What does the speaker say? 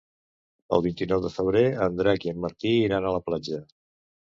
El vint-i-nou de febrer en Drac i en Martí iran a la platja.